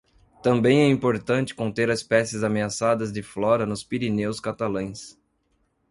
Também é importante conter espécies ameaçadas de flora nos Pireneus catalães.